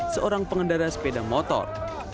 seorang pengendara sepeda motor